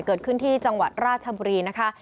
เกิดขึ้นที่จังหวัดราชบุรีนะคะ